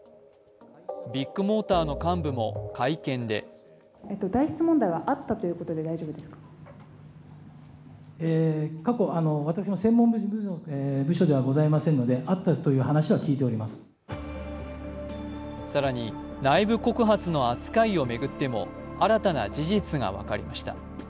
ビッグモーターの幹部も会見で更に内部告発の扱いを巡っても新たな事実が分かりました。